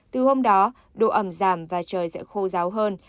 từ hôm đó độ ẩm giảm và trời sẽ khô ráo hơn